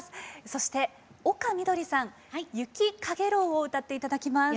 そして丘みどりさん「雪陽炎」を歌っていただきます。